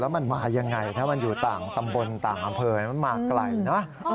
มันมายังไงถ้ามันอยู่ต่างตำบลต่างอำเภอมันมาไกลนะ